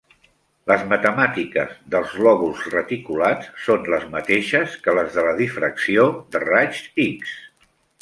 Les matemàtiques dels lòbuls reticulats són les mateixes que les de la difracció de raigs X.